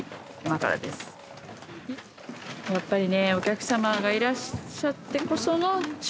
やっぱりね。